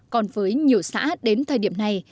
còn với nhiều xã đến thời điểm này